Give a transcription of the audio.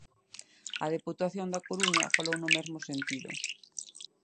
A Deputación da Coruña falou no mesmo sentido.